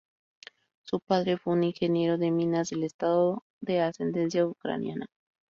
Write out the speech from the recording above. Su padre fue un ingeniero de minas del Estado, de ascendencia ucraniana.